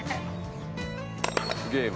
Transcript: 「ゲーム？」